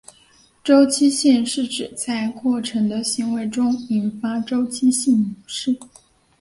周期性是指在过程的行为中引发周期性模式。